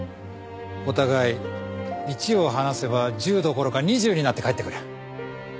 お互い１を話せば１０どころか２０になって返ってくる。